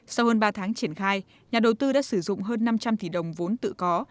sau hơn ba tháng triển khai nhà đầu tư đã sử dụng hơn năm trăm linh tỷ đồng vốn tự có